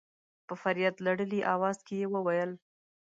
په فرياد لړلي اواز کې يې وويل.